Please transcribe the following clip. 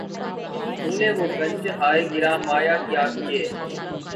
تو نے وہ گنج ہائے گراں مایہ کیا کیے